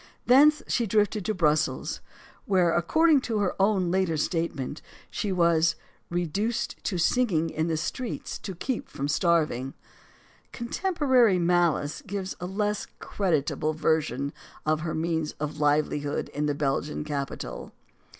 Thence she drifted to Brussels, where, according to her own later statement, she was "reduced to singing in the streets to keep from starving." Contemporary malice gives a less creditable version of her means of livelihood in the Belgian capital.